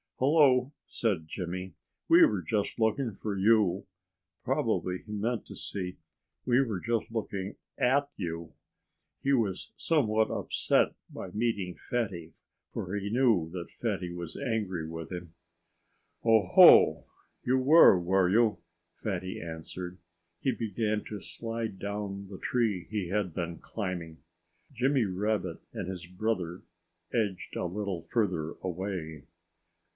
"Hello!" said Jimmy. "We were just looking for you." Probably he meant to say, "We were just looking AT you." He was somewhat upset by meeting Fatty; for he knew that Fatty was angry with him. "Oh, ho! You were, were you?" Fatty answered. He began to slide down the tree he had been climbing. Jimmy Rabbit and his brother edged a little further away.